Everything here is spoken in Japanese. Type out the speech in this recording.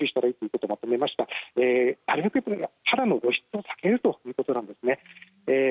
なるべく肌の露出を避けるということなんですね。